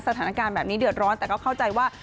สถานการณ์แบบนี้เดือดร้อนแต่ก็เข้าใจว่า